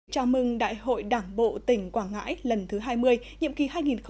chào mừng đại hội đảng bộ tỉnh quảng ngãi lần thứ hai mươi nhiệm kỳ hai nghìn một mươi năm hai nghìn hai mươi